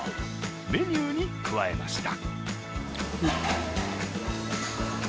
メニューに加えました。